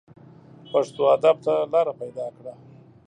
پښتو ادب ته لاره پیدا کړه